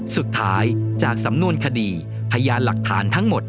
สุดท้ายจากสำนวนคดีพยานหลักฐานทั้งหมด